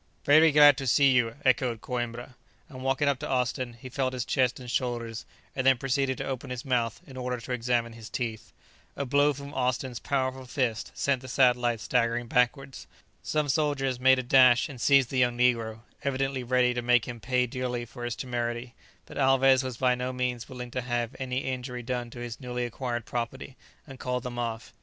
"Very glad to see you!" echoed Coïmbra, and walking up to Austin he felt his chest and shoulders, and then proceeded to open his mouth in order to examine his teeth. A blow from Austin's powerful fist sent the satellite staggering backwards. Some soldiers made a dash and seized the young negro, evidently ready to make him pay dearly for his temerity; but Alvez was by no means willing to have any injury done to his newly acquired property, and called them off.